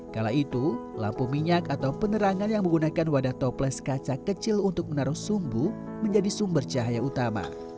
kala itu lampu minyak atau penerangan yang menggunakan wadah toples kaca kecil untuk menaruh sumbu menjadi sumber cahaya utama